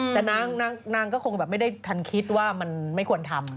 แต่นางก็คงแบบไม่ได้ทันคิดว่ามันไม่ควรทำ